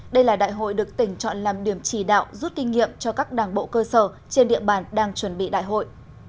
đây là đại hội được tỉnh chọn làm điểm chỉ đạo rút kinh nghiệm cho các đảng bộ cơ sở trên địa bàn đang chuẩn bị đại hội